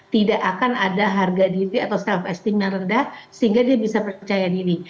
tidak akan ada harga diri atau self esting yang rendah sehingga dia bisa percaya diri